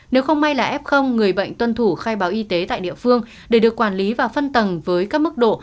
nếu không may là f người bệnh tuân thủ khai báo y tế tại địa phương để được quản lý và phân tầng với các mức độ